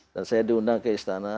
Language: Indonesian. dan saya diundang ke istana